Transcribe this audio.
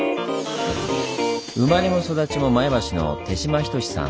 生まれも育ちも前橋の手島仁さん。